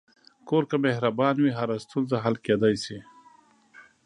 کور که مهربان وي، هره ستونزه حل کېدلی شي.